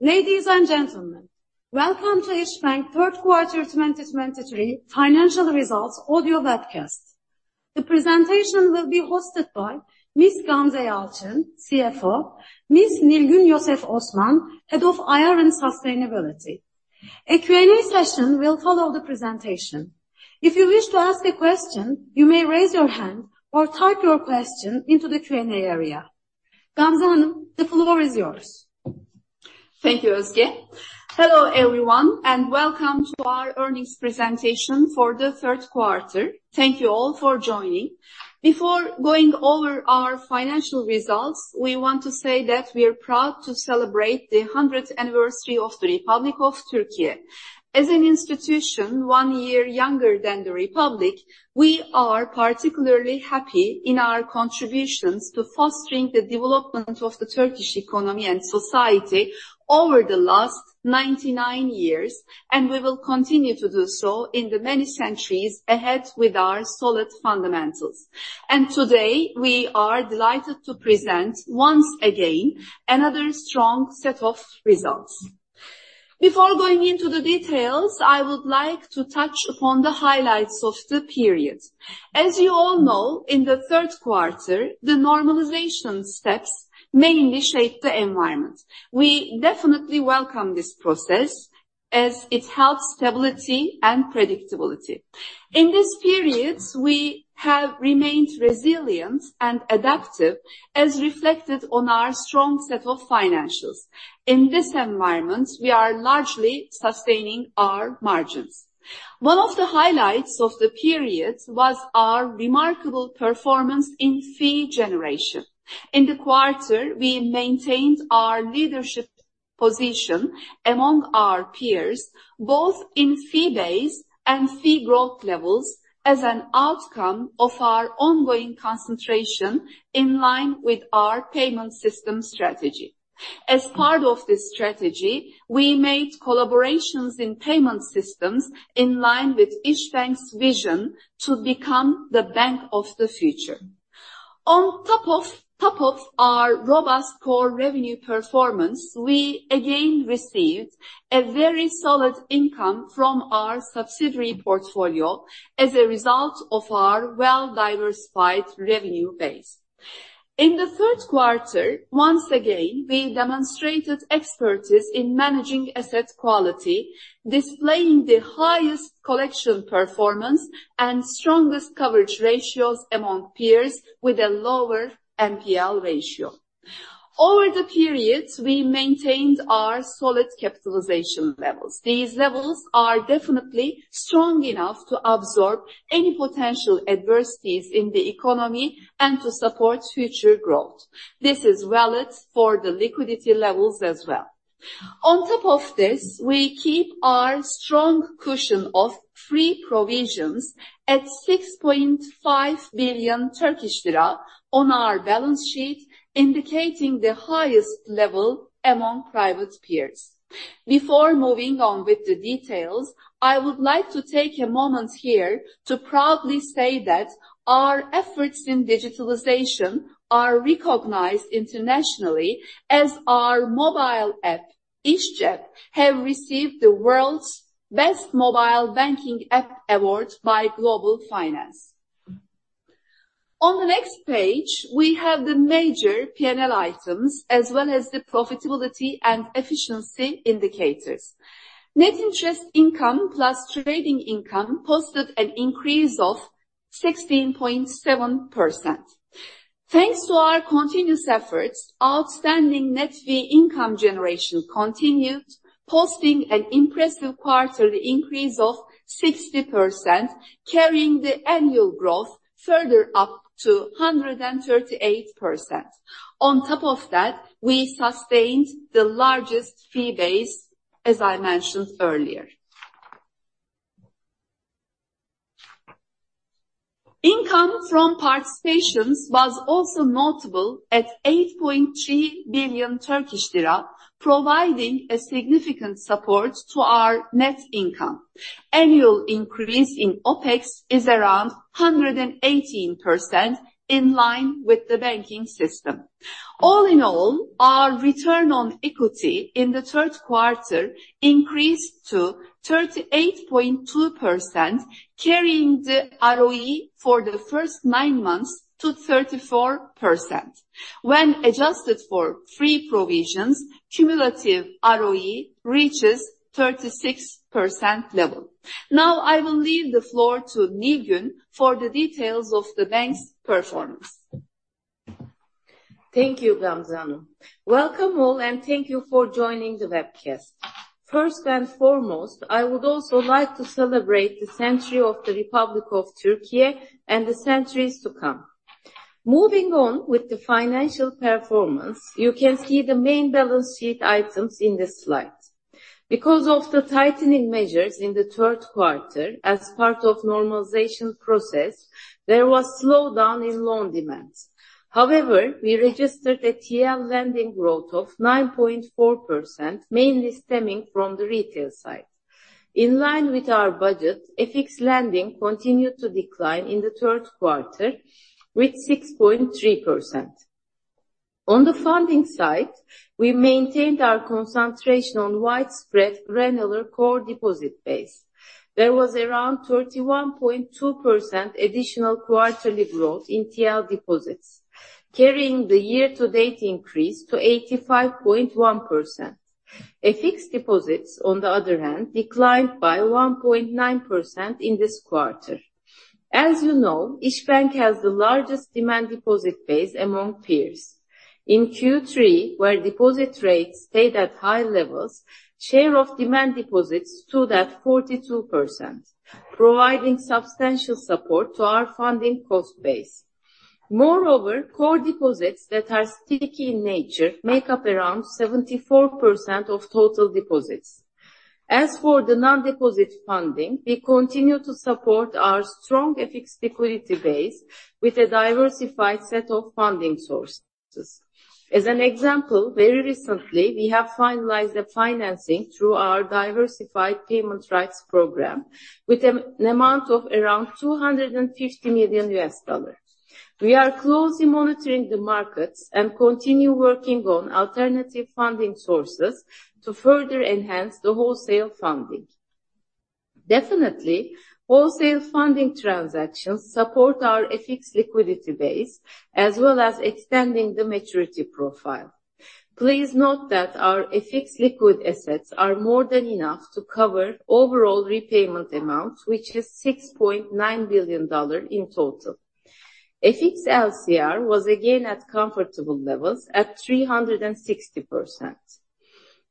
Ladies and gentlemen, welcome to İşbank third quarter 2023 financial results audio webcast. The presentation will be hosted by Ms. Gamze Yalçın, CFO, Ms. Nilgün Yosef Osman, Head of IR and Sustainability. A Q&A session will follow the presentation. If you wish to ask a question, you may raise your hand or type your question into the Q&A area. Gamze, the floor is yours. Thank you, Özge. Hello, everyone, and welcome to our earnings presentation for the third quarter. Thank you all for joining. Before going over our financial results, we want to say that we are proud to celebrate the hundredth anniversary of the Republic of Türkiye. As an institution one year younger than the Republic, we are particularly happy in our contributions to fostering the development of the Turkish economy and society over the last ninety-nine years, and we will continue to do so in the many centuries ahead with our solid fundamentals. Today, we are delighted to present, once again, another strong set of results. Before going into the details, I would like to touch upon the highlights of the period. As you all know, in the third quarter, the normalization steps mainly shaped the environment. We definitely welcome this process as it helps stability and predictability. In these periods, we have remained resilient and adaptive, as reflected on our strong set of financials. In this environment, we are largely sustaining our margins. One of the highlights of the period was our remarkable performance in fee generation. In the quarter, we maintained our leadership position among our peers, both in fee base and fee growth levels, as an outcome of our ongoing concentration in line with our payment system strategy. As part of this strategy, we made collaborations in payment systems in line with İşbank's vision to become the bank of the future. On top of our robust core revenue performance, we again received a very solid income from our subsidiary portfolio as a result of our well-diversified revenue base. In the third quarter, once again, we demonstrated expertise in managing asset quality, displaying the highest collection performance and strongest coverage ratios among peers with a lower NPL ratio. Over the periods, we maintained our solid capitalization levels. These levels are definitely strong enough to absorb any potential adversities in the economy and to support future growth. This is valid for the liquidity levels as well. On top of this, we keep our strong cushion of free provisions at 6.5 billion Turkish lira on our balance sheet, indicating the highest level among private peers. Before moving on with the details, I would like to take a moment here to proudly say that our efforts in digitalization are recognized internationally as our mobile app, İşCep, have received the World's Best Mobile Banking App Award by Global Finance. On the next page, we have the major P&L items, as well as the profitability and efficiency indicators. Net interest income plus trading income posted an increase of 16.7%. Thanks to our continuous efforts, outstanding net fee income generation continued, posting an impressive quarterly increase of 60%, carrying the annual growth further up to 138%. On top of that, we sustained the largest fee base, as I mentioned earlier. Income from participations was also notable at 8.3 billion Turkish lira, providing a significant support to our net income. Annual increase in OpEx is around 118%, in line with the banking system. All in all, our return on equity in the third quarter increased to 38.2%, carrying the ROE for the first nine months to 34%. When adjusted for free provisions, cumulative ROE reaches 36% level. Now, I will leave the floor to Nilgün for the details of the bank's performance. Thank you, Gamze. Welcome all, and thank you for joining the webcast. First and foremost, I would also like to celebrate the century of the Republic of Türkiye and the centuries to come. Moving on with the financial performance, you can see the main balance sheet items in this slide. Because of the tightening measures in the third quarter as part of normalization process, there was slowdown in loan demands. However, we registered a TL lending growth of 9.4%, mainly stemming from the retail side. In line with our budget, FX lending continued to decline in the third quarter with 6.3%.... On the funding side, we maintained our concentration on widespread granular core deposit base. There was around 31.2% additional quarterly growth in TL deposits, carrying the year-to-date increase to 85.1%. Fixed deposits, on the other hand, declined by 1.9% in this quarter. As you know, İşbank has the largest demand deposit base among peers. In Q3, where deposit rates stayed at high levels, share of demand deposits stood at 42%, providing substantial support to our funding cost base. Moreover, core deposits that are sticky in nature make up around 74% of total deposits. As for the non-deposit funding, we continue to support our strong FX liquidity base with a diversified set of funding sources. As an example, very recently, we have finalized the financing through our diversified payment rights program with an amount of around $250 million. We are closely monitoring the markets and continue working on alternative funding sources to further enhance the wholesale funding. Definitely, wholesale funding transactions support our FX liquidity base, as well as extending the maturity profile. Please note that our FX liquid assets are more than enough to cover overall repayment amounts, which is $6.9 billion in total. FX LCR was again at comfortable levels at 360%.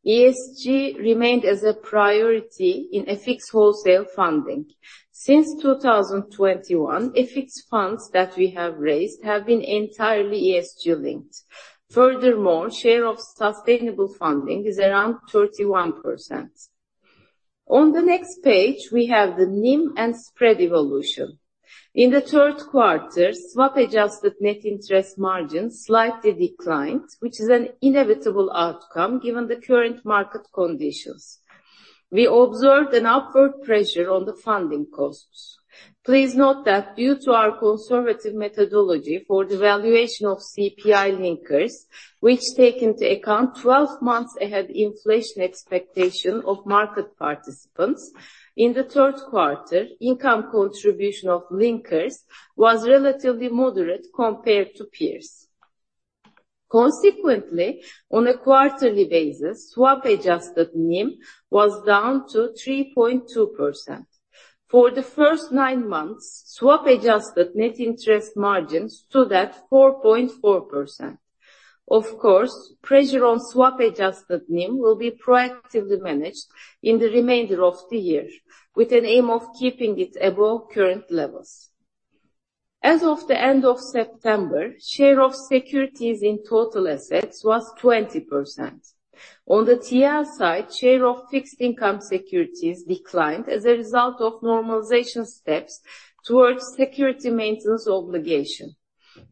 ESG remained as a priority in FX wholesale funding. Since 2021, FX funds that we have raised have been entirely ESG-linked. Furthermore, share of sustainable funding is around 31%. On the next page, we have the NIM and spread evolution. In the third quarter, swap-adjusted net interest margin slightly declined, which is an inevitable outcome given the current market conditions. We observed an upward pressure on the funding costs. Please note that due to our conservative methodology for the valuation of CPI Linkers, which take into account 12 months ahead inflation expectation of market participants, in the third quarter, income contribution of Linkers was relatively moderate compared to peers. Consequently, on a quarterly basis, swap-adjusted NIM was down to 3.2%. For the first 9 months, swap-adjusted net interest margin stood at 4.4%. Of course, pressure on swap-adjusted NIM will be proactively managed in the remainder of the year, with an aim of keeping it above current levels. As of the end of September, share of securities in total assets was 20%. On the TL side, share of fixed income securities declined as a result of normalization steps towards security maintenance obligation.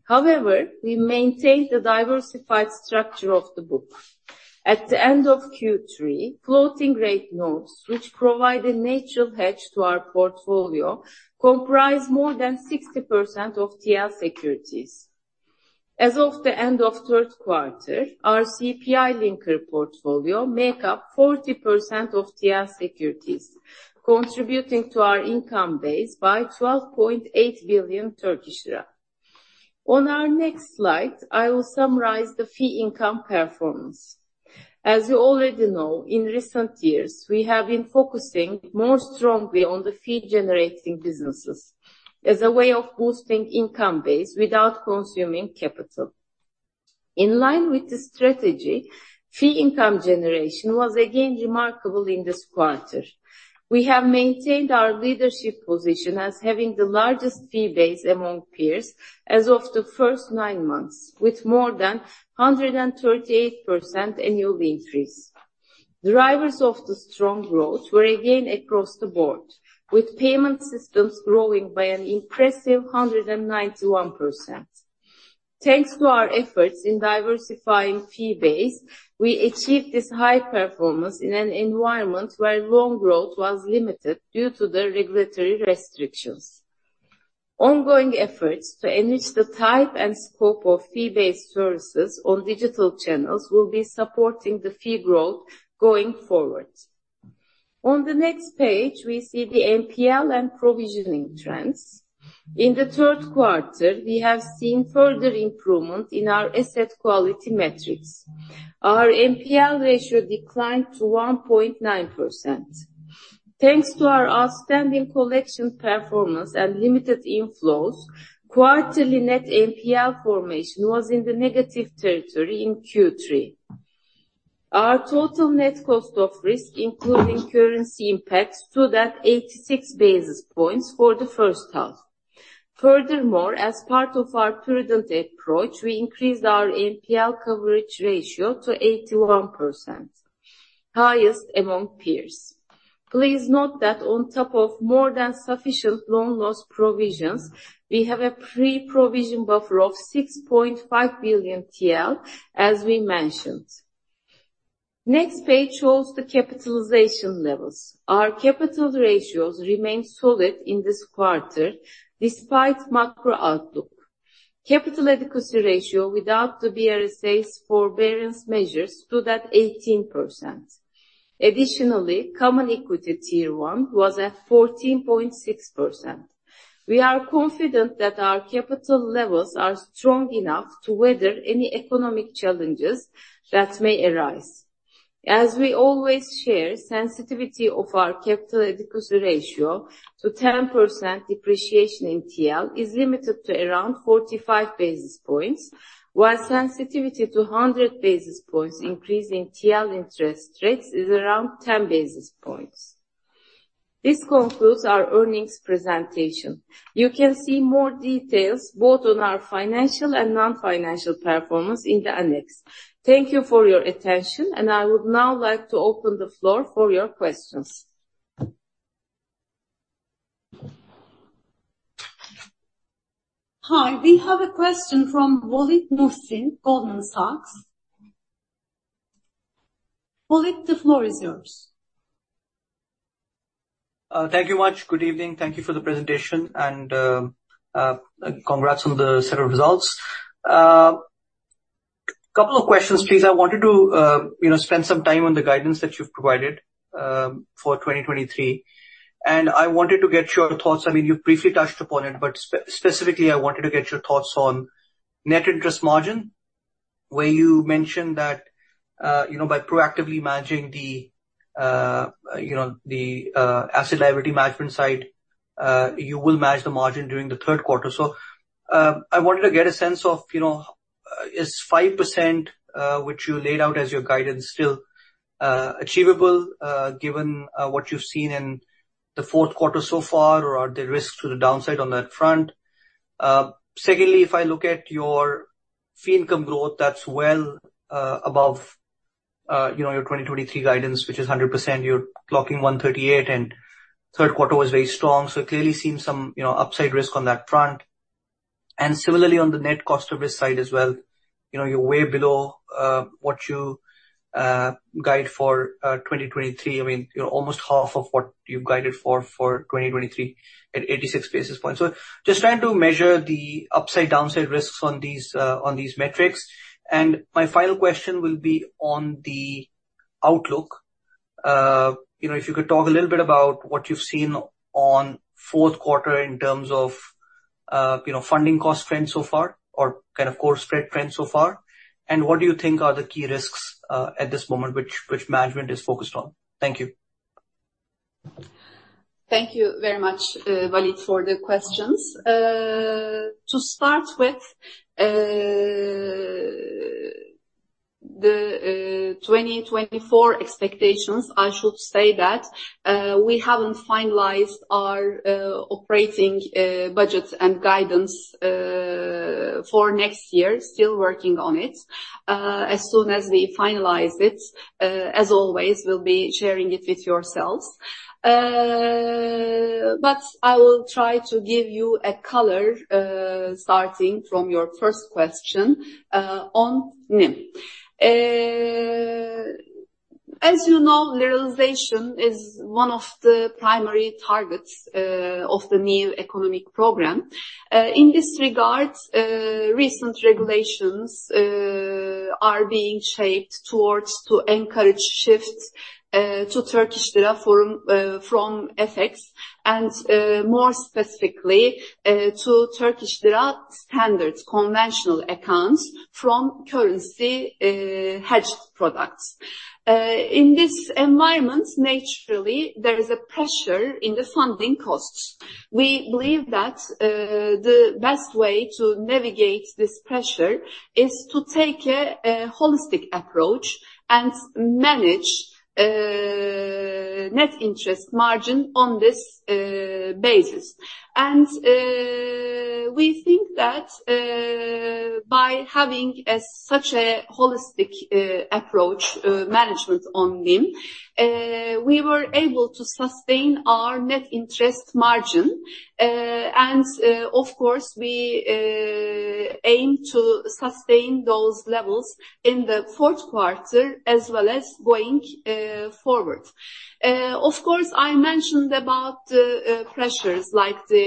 However, we maintain the diversified structure of the book. At the end of Q3, floating rate notes, which provide a natural hedge to our portfolio, comprised more than 60% of TL securities. As of the end of third quarter, our CPI linker portfolio make up 40% of TL securities, contributing to our income base by 12.8 billion Turkish lira. On our next slide, I will summarize the fee income performance. As you already know, in recent years, we have been focusing more strongly on the fee-generating businesses as a way of boosting income base without consuming capital. In line with the strategy, fee income generation was again remarkable in this quarter. We have maintained our leadership position as having the largest fee base among peers as of the first nine months, with more than 138% annual increase. Drivers of the strong growth were again across the board, with payment systems growing by an impressive 191%. Thanks to our efforts in diversifying fee base, we achieved this high performance in an environment where loan growth was limited due to the regulatory restrictions. Ongoing efforts to enrich the type and scope of fee-based services on digital channels will be supporting the fee growth going forward. On the next page, we see the NPL and provisioning trends. In the third quarter, we have seen further improvement in our asset quality metrics. Our NPL ratio declined to 1.9%. Thanks to our outstanding collection performance and limited inflows, quarterly net NPL formation was in the negative territory in Q3. Our total net cost of risk, including currency impacts, stood at 86 basis points for the first half. Furthermore, as part of our prudent approach, we increased our NPL coverage ratio to 81%, highest among peers. Please note that on top of more than sufficient loan loss provisions, we have a pre-provision buffer of 6.5 billion TL, as we mentioned. Next page shows the capitalization levels. Our capital ratios remain solid in this quarter, despite macro outlook. Capital adequacy ratio without the BRSA forbearance measures stood at 18%. Additionally, common equity tier one was at 14.6%. We are confident that our capital levels are strong enough to weather any economic challenges that may arise. As we always share, sensitivity of our capital adequacy ratio to 10% depreciation in TL, is limited to around 45 basis points, while sensitivity to 100 basis points increase in TL interest rates is around 10 basis points. This concludes our earnings presentation. You can see more details, both on our financial and non-financial performance in the annex. Thank you for your attention, and I would now like to open the floor for your questions. Hi, we have a question from Waleed Mohsin, Goldman Sachs. Waleed, the floor is yours. Thank you much. Good evening. Thank you for the presentation, and congrats on the set of results. Couple of questions, please. I wanted to, you know, spend some time on the guidance that you've provided for 2023, and I wanted to get your thoughts. I mean, you briefly touched upon it, but specifically, I wanted to get your thoughts on net interest margin, where you mentioned that, you know, by proactively managing the, you know, the asset liability management side, you will manage the margin during the third quarter. So, I wanted to get a sense of, you know, is 5%, which you laid out as your guidance, still achievable, given what you've seen in the fourth quarter so far? Or are there risks to the downside on that front? Secondly, if I look at your fee income growth, that's well, above, you know, your 2023 guidance, which is 100%, you're clocking 138, and third quarter was very strong, so it clearly seems some, you know, upside risk on that front. And similarly, on the net cost of risk side as well, you know, you're way below, what you, guide for, 2023. I mean, you're almost half of what you've guided for, for 2023 at 86 basis points. So just trying to measure the upside, downside risks on these, on these metrics. And my final question will be on the outlook. You know, if you could talk a little bit about what you've seen on fourth quarter in terms of, you know, funding cost trends so far or kind of cost spread trends so far, and what do you think are the key risks at this moment, which management is focused on? Thank you. Thank you very much, Waleed, for the questions. To start with, the 2024 expectations, I should say that, we haven't finalized our operating budgets and guidance for next year. Still working on it. As soon as we finalize it, as always, we'll be sharing it with yourselves. But I will try to give you a color, starting from your first question, on NIM. As you know, liberalization is one of the primary targets of the new economic program. In this regard, recent regulations are being shaped towards to encourage shifts to Turkish lira form, from FX and, more specifically, to Turkish lira standard conventional accounts from currency hedge products. In this environment, naturally, there is a pressure in the funding costs. We believe that the best way to navigate this pressure is to take a holistic approach and manage net interest margin on this basis. And we think that by having such a holistic approach, management on NIM, we were able to sustain our net interest margin. And of course, we aim to sustain those levels in the fourth quarter as well as going forward. Of course, I mentioned about the pressures like the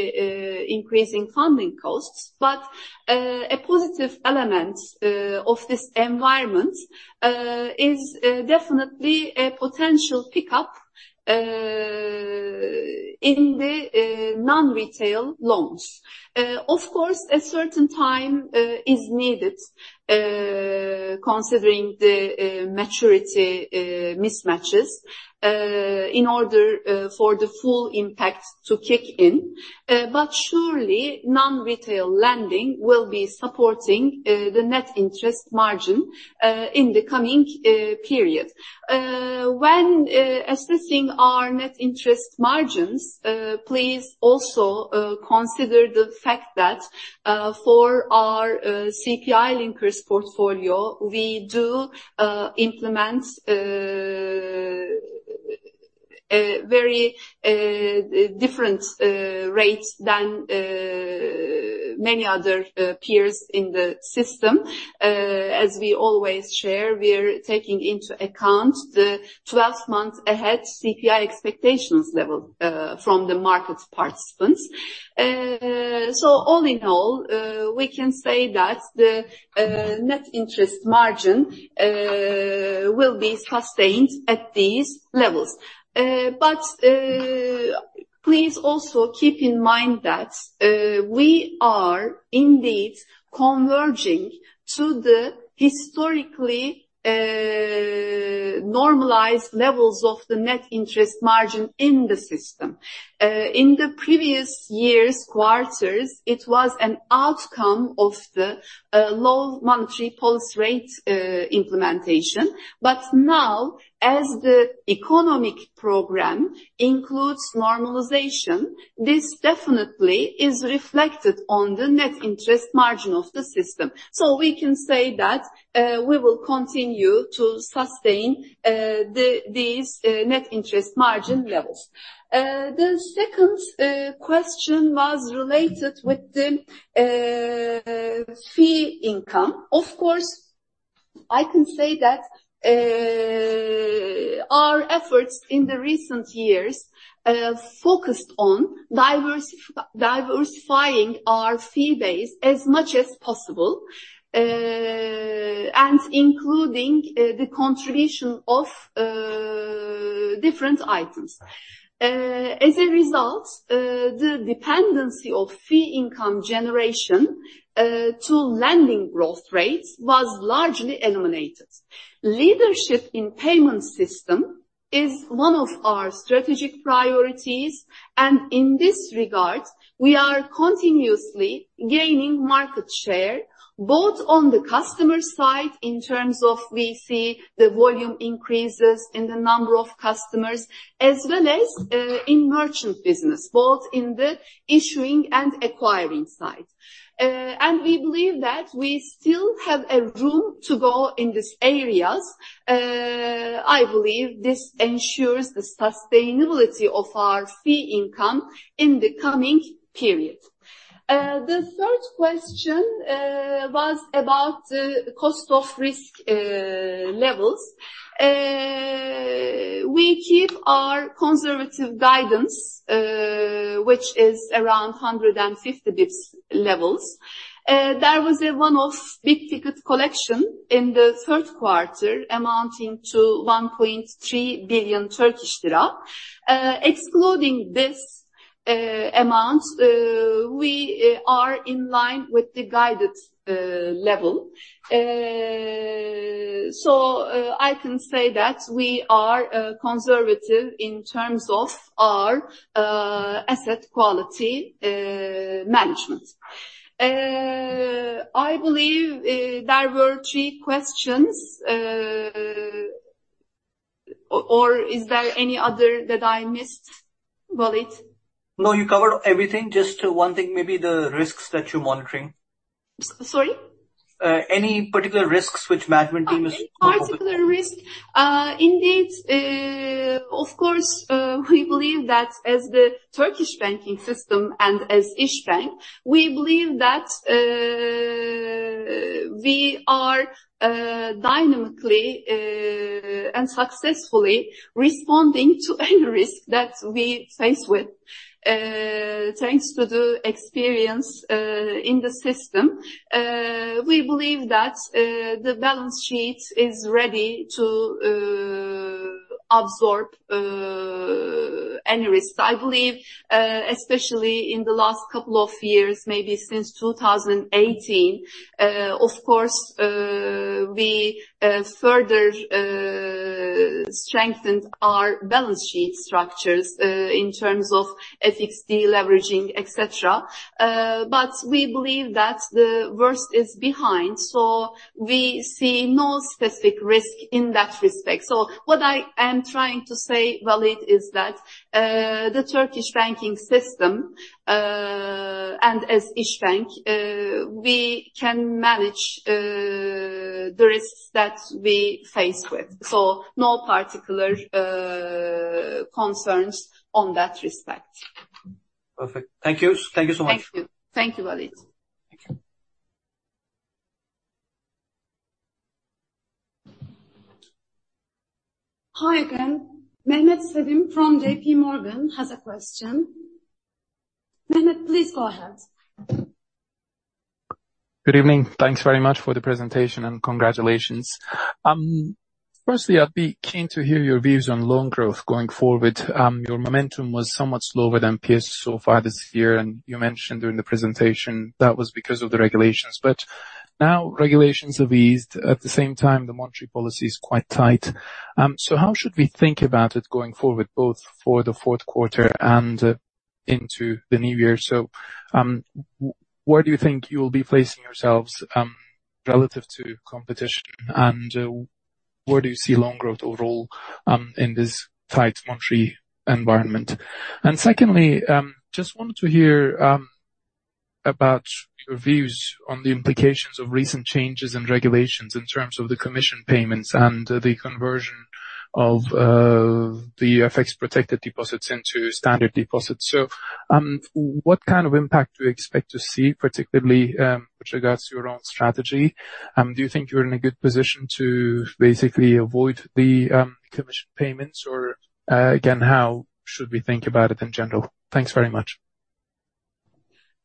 increasing funding costs, but a positive element of this environment is definitely a potential pickup in the non-retail loans. Of course, a certain time is needed considering the maturity mismatches in order for the full impact to kick in. But surely, non-retail lending will be supporting the net interest margin in the coming period. When assessing our net interest margins, please also consider the fact that, for our CPI Linkers portfolio, we do implement very different rates than many other peers in the system. As we always share, we're taking into account the 12 months ahead CPI expectations level from the market participants. So all in all, we can say that the net interest margin will be sustained at these levels. But please also keep in mind that we are indeed converging to the historically normalized levels of the net interest margin in the system. In the previous years' quarters, it was an outcome of the low monetary policy rate implementation. But now, as the economic program includes normalization, this definitely is reflected on the net interest margin of the system. So we can say that we will continue to sustain these net interest margin levels. The second question was related with the fee income. Of course, I can say that our efforts in the recent years focused on diversifying our fee base as much as possible and including the contribution of different items. As a result, the dependency of fee income generation to lending growth rates was largely eliminated. Leadership in payment system is one of our strategic priorities, and in this regard, we are continuously gaining market share, both on the customer side, in terms of we see the volume increases in the number of customers, as well as, in merchant business, both in the issuing and acquiring side. And we believe that we still have a room to go in these areas. I believe this ensures the sustainability of our fee income in the coming period. The third question was about the cost of risk levels. We keep our conservative guidance, which is around 150 basis points levels. There was a one-off big-ticket collection in the third quarter, amounting to 1.3 billion Turkish lira. Excluding this amount, we are in line with the guided level. So, I can say that we are conservative in terms of our asset quality management. I believe there were three questions... or is there any other that I missed, Waleed? No, you covered everything. Just one thing, maybe the risks that you're monitoring. S- sorry? Any particular risks which management is- Any particular risk? Indeed, of course, we believe that as the Turkish banking system and as İşbank, we believe that we are dynamically and successfully responding to any risk that we faced with. Thanks to the experience in the system, we believe that the balance sheet is ready to absorb any risk. I believe, especially in the last couple of years, maybe since 2018, of course, we further strengthened our balance sheet structures in terms of FX deleveraging, et cetera. But we believe that the worst is behind, so we see no specific risk in that respect. So what I am trying to say, Waleed, is that the Turkish banking system and as İşbank we can manage the risks that we faced with. So no particular concerns on that respect. Perfect. Thank you. Thank you so much. Thank you. Thank you, Waleed. Thank you. Hi, again. Mehmet Sevim from JPMorgan has a question. Mehmet, please go ahead. Good evening. Thanks very much for the presentation, and congratulations. Firstly, I'd be keen to hear your views on loan growth going forward. Your momentum was somewhat slower than PS so far this year, and you mentioned during the presentation that was because of the regulations. But now regulations have eased. At the same time, the monetary policy is quite tight. So how should we think about it going forward, both for the fourth quarter and into the new year? So, where do you think you'll be placing yourselves relative to competition, and where do you see loan growth overall in this tight monetary environment? And secondly, just wanted to hear about your views on the implications of recent changes in regulations, in terms of the commission payments and the conversion of the FX-protected deposits into standard deposits. So, what kind of impact do you expect to see, particularly, with regards to your own strategy? Do you think you're in a good position to basically avoid the commission payments? Or, again, how should we think about it in general? Thanks very much.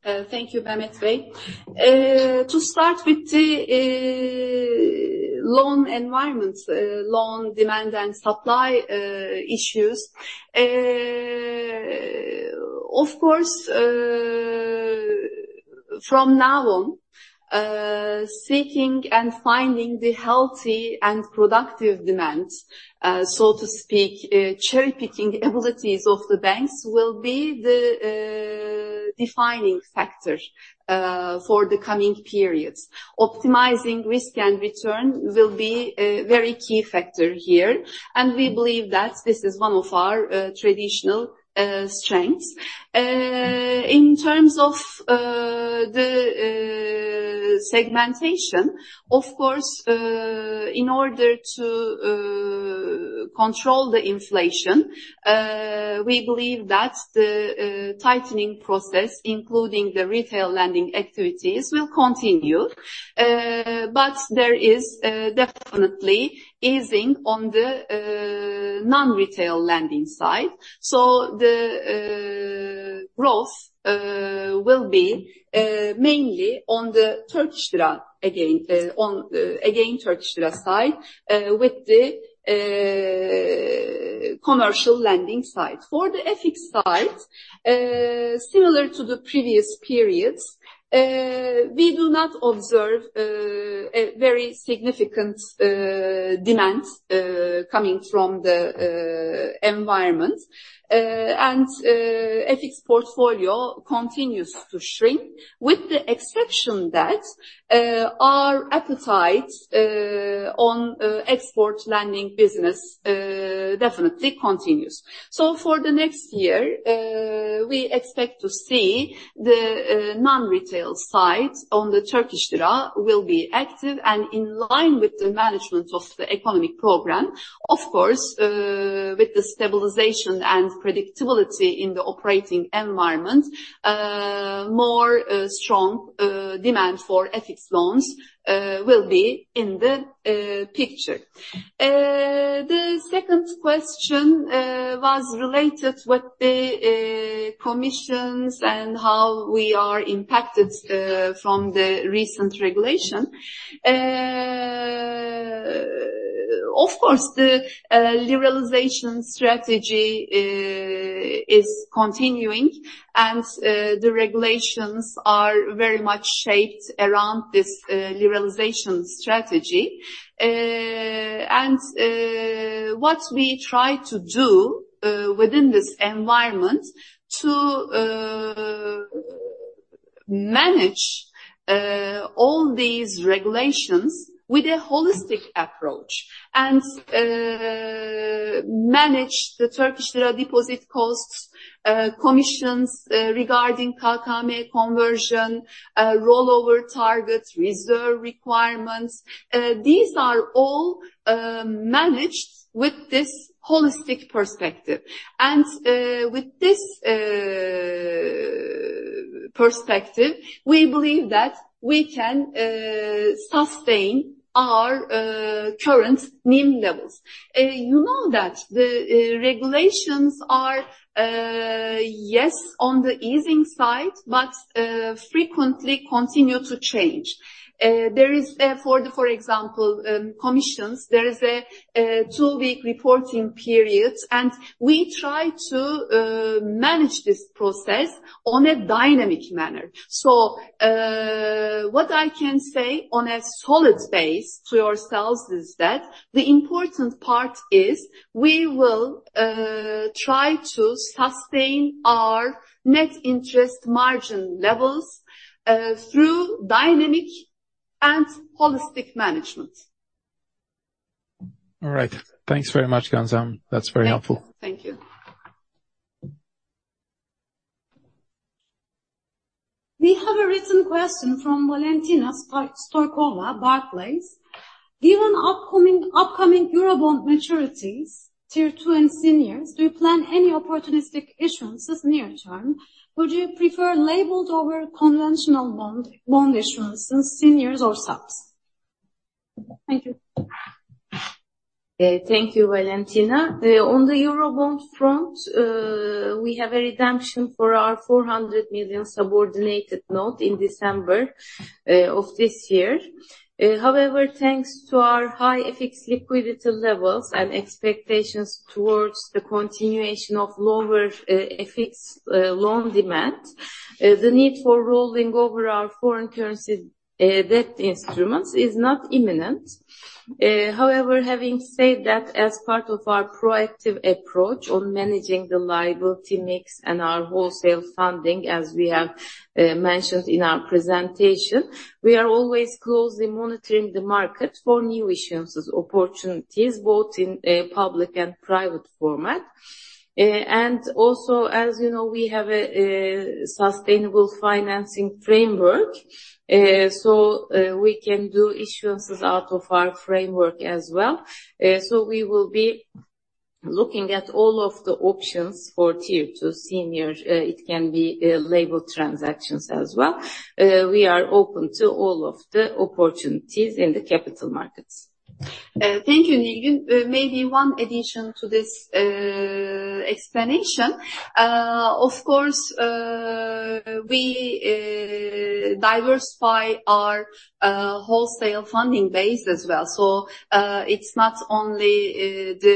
Thank you, Mehmet Bey. To start with the loan environments, loan demand and supply issues. Of course, from now on, seeking and finding the healthy and productive demands, so to speak, cherry-picking the abilities of the banks will be the defining factor for the coming periods. Optimizing risk and return will be a very key factor here, and we believe that this is one of our traditional strengths. In terms of the segmentation, of course, in order to control the inflation, we believe that the tightening process, including the retail lending activities, will continue. But there is definitely easing on the non-retail lending side. So the growth will be mainly on the Turkish lira again, on the again Turkish lira side, with the commercial lending side. For the FX side, similar to the previous periods, we do not observe a very significant demands coming from the environment. And FX portfolio continues to shrink, with the exception that our appetite on export lending business definitely continues. So for the next year, we expect to see the non-retail side on the Turkish lira will be active and in line with the management of the economy program. Of course, with the stabilization and predictability in the operating environment, more strong demand for FX loans will be in the picture. The second question was related with the commissions and how we are impacted from the recent regulation. Of course, the liberalization strategy is continuing, and the regulations are very much shaped around this liberalization strategy. And what we try to do within this environment to manage all these regulations with a holistic approach, and manage the Turkish Lira deposit costs, commissions, regarding KKM conversion, rollover targets, reserve requirements. These are all managed with this holistic perspective. And with this perspective, we believe that we can sustain our current NIM levels. You know that the regulations are yes, on the easing side, but frequently continue to change. There is, for the commissions, for example, a two-week reporting period, and we try to manage this process in a dynamic manner. So, what I can say on a solid basis to ourselves is that the important part is we will try to sustain our net interest margin levels through dynamic and holistic management. All right. Thanks very much, Gamze. That's very helpful. Thank you. We have a written question from Valentina Stork-Arp, Barclays. Given upcoming Eurobond maturities, Tier two and seniors, do you plan any opportunistic issuances near term? Would you prefer labeled over conventional bond issuances, seniors or subs? Thank you. Thank you, Valentina. On the Eurobond front, we have a redemption for our $400 million subordinated note in December of this year. However, thanks to our high FX liquidity levels and expectations towards the continuation of lower FX loan demand, the need for rolling over our foreign currency debt instruments is not imminent. However, having said that, as part of our proactive approach on managing the liability mix and our wholesale funding, as we have mentioned in our presentation, we are always closely monitoring the market for new issuances opportunities, both in a public and private format. And also, as you know, we have a sustainable financing framework, so we can do issuances out of our framework as well. So we will be looking at all of the options for Tier 2 senior, it can be labeled transactions as well. We are open to all of the opportunities in the capital markets. Thank you, Nilgün. Maybe one addition to this explanation. Of course, we diversify our wholesale funding base as well. So, it's not only the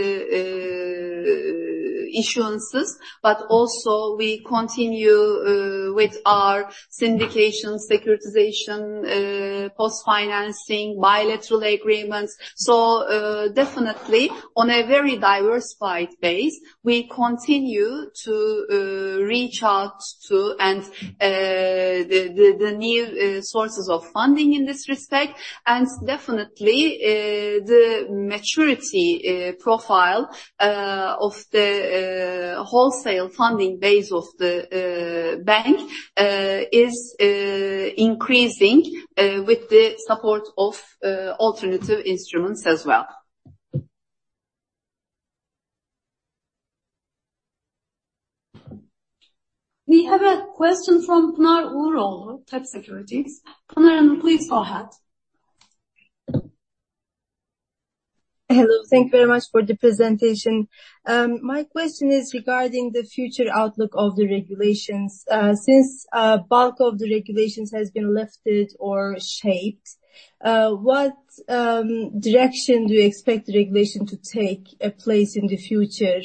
issuances, but also we continue with our syndication, securitization, post-financing, bilateral agreements. So, definitely, on a very diversified base, we continue to reach out to, and the new sources of funding in this respect. And definitely, the maturity profile of the wholesale funding base of the bank is increasing with the support of alternative instruments as well. We have a question from Pınar Uğuroğlu, TEB Securities. Pınar, please go ahead. Hello. Thank you very much for the presentation. My question is regarding the future outlook of the regulations. Since a bulk of the regulations has been lifted or shaped, what direction do you expect the regulation to take a place in the future,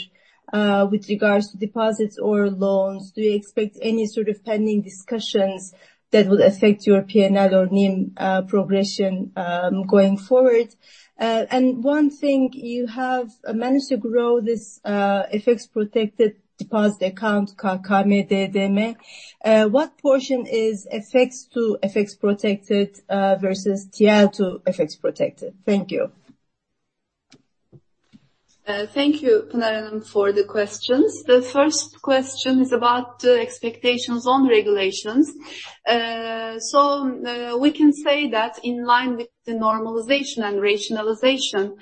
with regards to deposits or loans? Do you expect any sort of pending discussions that will affect your PNL or NIM progression, going forward? And one thing, you have managed to grow this FX-protected deposit account, KKM-DDM. What portion is FX to FX protected, versus TL to FX protected? Thank you. Thank you, Pınar, for the questions. The first question is about the expectations on regulations. So, we can say that in line with the normalization and rationalization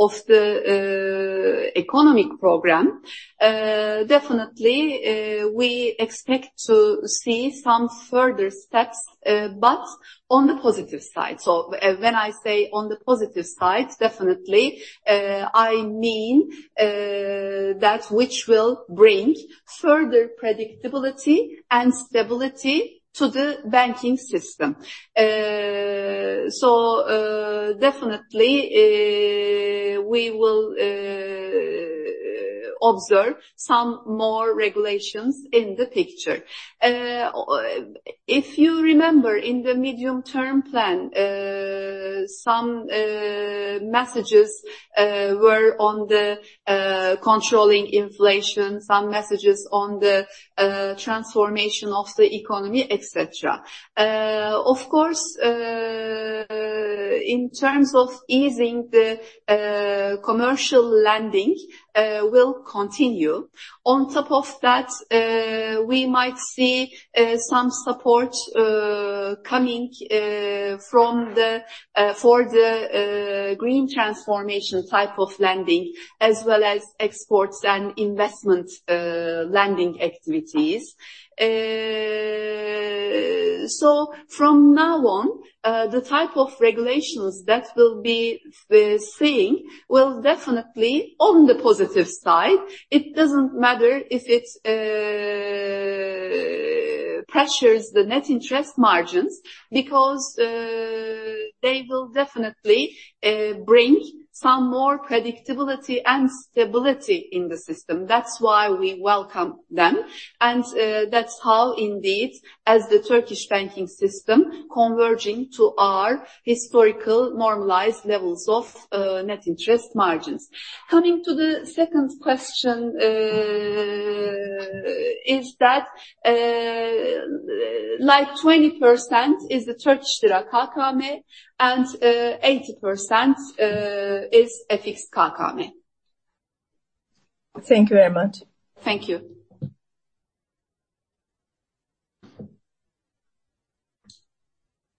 of the economy program, definitely, we expect to see some further steps, but on the positive side. So, when I say on the positive side, definitely, I mean that which will bring further predictability and stability to the banking system. So, definitely, we will observe some more regulations in the picture. If you remember, in the medium-term plan, some messages were on the controlling inflation, some messages on the transformation of the economy, et cetera. Of course, in terms of easing the commercial lending, will continue. On top of that, we might see some support coming from for the green transformation type of lending, as well as exports and investment lending activities. So from now on, the type of regulations that we'll be seeing will definitely on the positive side. It doesn't matter if it's pressures the net interest margins, because they will definitely bring some more predictability and stability in the system. That's why we welcome them. And that's how, indeed, as the Turkish banking system, converging to our historical normalized levels of net interest margins. Coming to the second question, is that, like, 20% is the Turkish lira KKM, and 80% is FX KKM. Thank you very much. Thank you.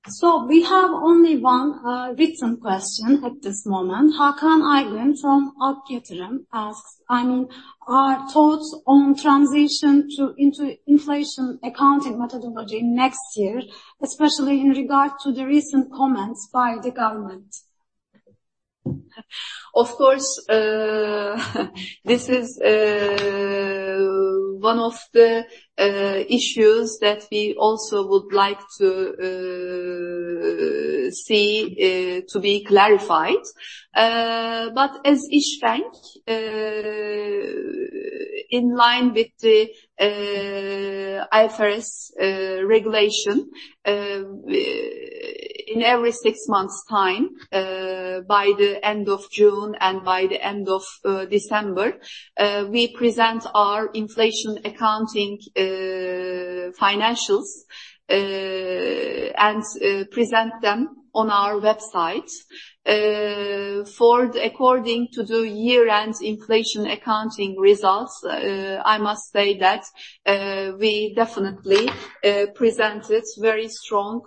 So we have only one written question at this moment. Hakan Aygün from Ak Yatırım asks, I mean, our thoughts on transition to into inflation accounting methodology next year, especially in regard to the recent comments by the government. Of course, this is one of the issues that we also would like to see to be clarified. But as İşbank, in line with the IFRS regulation, in every six months' time, by the end of June and by the end of December, we present our inflation accounting financials and present them on our website. For according to the year-end inflation accounting results, I must say that we definitely presented very strong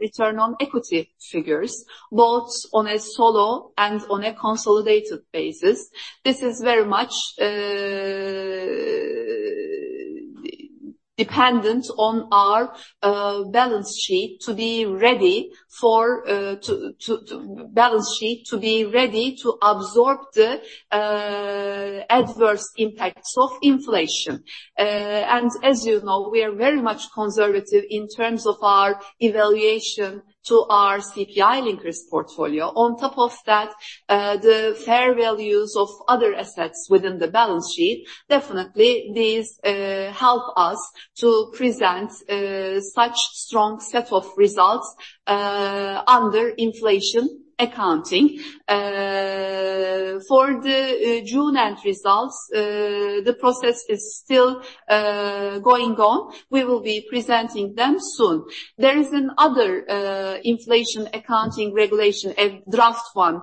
return on equity figures, both on a solo and on a consolidated basis. This is very much dependent on our balance sheet to be ready to absorb the adverse impacts of inflation. And as you know, we are very much conservative in terms of our evaluation to our CPI-linked risk portfolio. On top of that, the fair values of other assets within the balance sheet, definitely these help us to present such strong set of results under inflation accounting. For the June end results, the process is still going on. We will be presenting them soon. There is another inflation accounting regulation, a draft one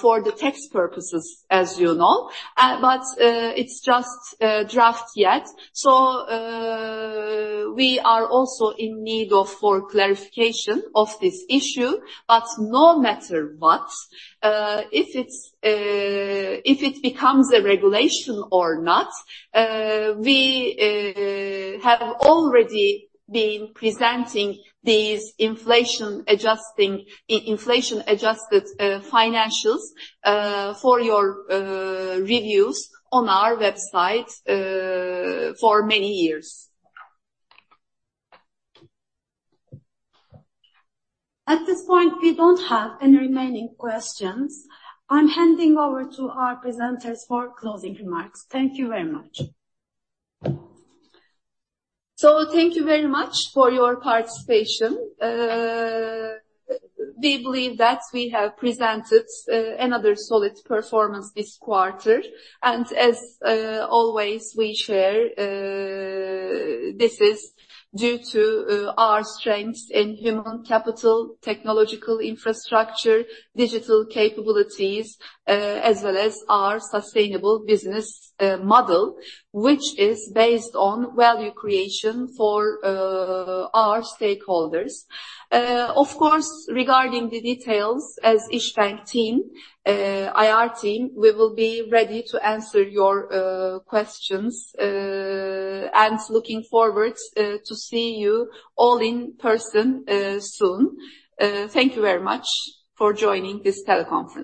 for the tax purposes, as you know, but it's just a draft yet. So, we are also in need of clarification of this issue. But no matter what, if it becomes a regulation or not, we have already been presenting these inflation-adjusted financials for your reviews on our website for many years. At this point, we don't have any remaining questions. I'm handing over to our presenters for closing remarks. Thank you very much. So thank you very much for your participation. We believe that we have presented another solid performance this quarter, and as always, we share this is due to our strengths in human capital, technological infrastructure, digital capabilities, as well as our sustainable business model, which is based on value creation for our stakeholders. Of course, regarding the details as İşbank team, IR team, we will be ready to answer your questions, and looking forward to see you all in person soon. Thank you very much for joining this teleconference.